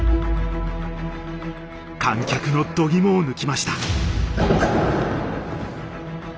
観客の度肝を抜きました。